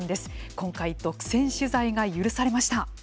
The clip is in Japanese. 今回独占取材が許されました。